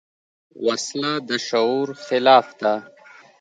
وسله د شعور خلاف ده